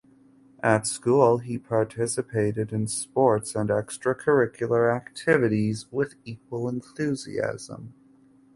At school he participated in sports and extracurricular activities with equal enthusiasm.